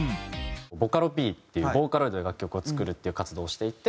ボカロＰっていうボーカロイドで楽曲を作るっていう活動をしていて。